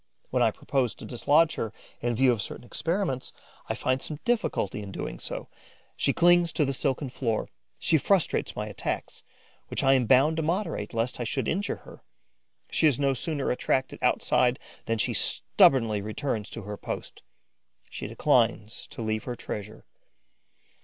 When I propose to dislodge her in view of certain experiments, I find some difficulty in doing so. She clings to the silken floor, she frustrates my attacks, which I am bound to moderate lest I should injure her. She is no sooner attracted outside than she stubbornly returns to her post. She declines to leave her treasure.